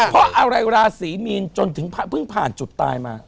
เพราะอะไรราศีมีนจนถึงเพิ่งผ่านจุดตายมา